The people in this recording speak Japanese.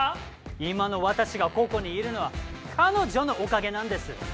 今の私がここにいるのは彼女のおかげなんです！